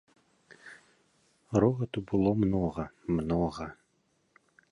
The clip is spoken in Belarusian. Рогату было многа, многа!